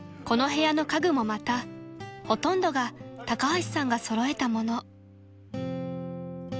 ［この部屋の家具もまたほとんどが高橋さんが揃えたもの］